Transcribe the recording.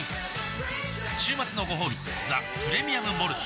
週末のごほうび「ザ・プレミアム・モルツ」